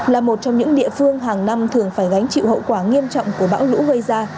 là một trong những địa phương hàng năm thường phải gánh chịu hậu quả nghiêm trọng của bão lũ gây ra